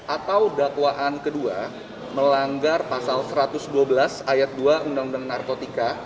atau dakwaan kedua melanggar pasal satu ratus dua belas ayat dua undang undang narkotika